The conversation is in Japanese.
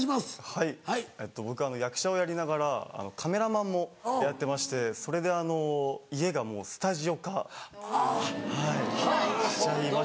はい僕役者をやりながらカメラマンもやってましてそれであの家がもうスタジオ化しちゃいました。